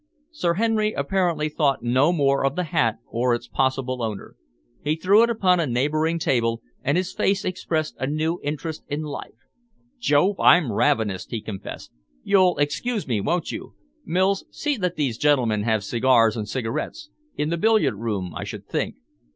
Sir Henry apparently thought no more of the hat or its possible owner. He threw it upon a neighbouring table, and his face expressed a new interest in life. "Jove, I'm ravenous!" he confessed. "You'll excuse me, won't you? Mills, see that these gentlemen have cigars and cigarettes in the billiard room, I should think.